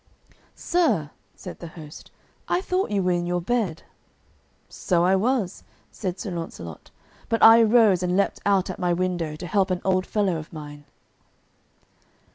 "Sir," said the host, "I thought you were in your bed." "So I was," said Sir Launcelot, "but I arose and leaped out at my window to help an old fellow of mine."